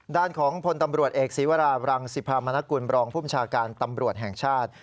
ด้านของพลตำรวจเอกศีวราบรังสิภามนกุลบรองภูมิชาการตำรวจแห่งชาติ